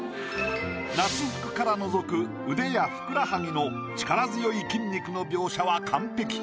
夏服からのぞく腕やふくらはぎの力強い筋肉の描写は完璧。